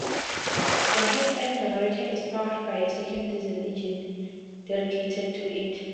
The head-end generator is powered by a second diesel engine dedicated to it.